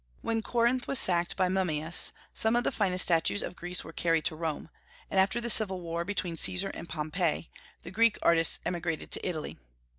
When Corinth was sacked by Mummius, some of the finest statues of Greece were carried to Rome; and after the civil war between Caesar and Pompey, the Greek artists emigrated to Italy.